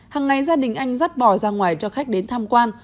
hằng ngày gia đình anh dắt bò ra ngoài cho khách đến tham quan